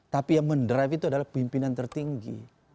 tapi yang mendrive itu adalah pimpinan tertinggi